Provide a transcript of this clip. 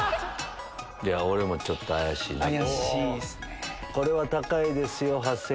俺もちょっと怪しいなと。